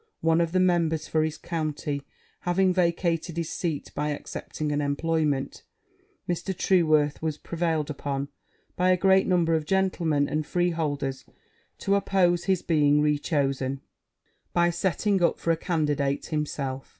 One of the members for his county having vacated his seat by accepting an employment, Mr. Trueworth was prevailed upon, by a great number of gentlemen and freeholders, to oppose his being rechosen by setting up for a candidate himself.